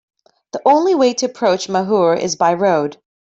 The only way to approach Mahur is by Road.